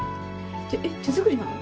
えっ手作りなの？